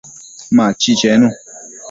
Machi chenu